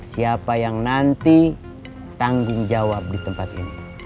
siapa yang nanti tanggung jawab di tempat ini